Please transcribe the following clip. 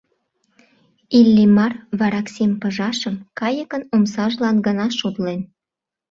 Иллимар вараксим пыжашым кайыкын омсажлан гына шотлен.